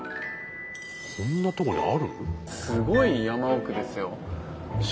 そんなとこにある？